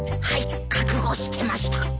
はい覚悟してました。